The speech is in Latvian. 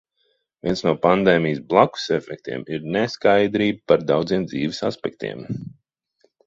Viens no pandēmijas "blakusefektiem" ir neskaidrība par daudziem dzīves aspektiem.